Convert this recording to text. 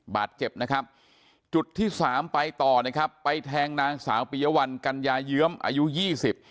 บาดเจ็บนะครับจุดที่สามไปต่อนะครับไปแทงนางสาวปียวัลกัญญาเยื้อมอายุยี่สิบ